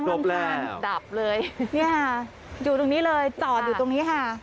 แรงดับเลยเนี่ยอยู่ตรงนี้เลยจอดอยู่ตรงนี้ค่ะ